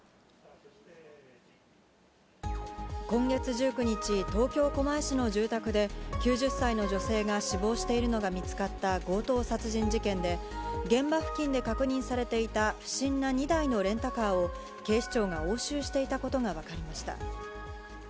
今月１９日、東京・狛江市の住宅で９０歳の女性が死亡しているのが見つかった強盗殺人事件で、現場付近で確認されていた不審な２台のレンタカーを警視庁が押収していたことが分かりました。